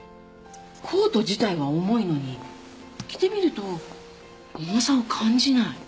コート自体は重いのに着てみると重さを感じない。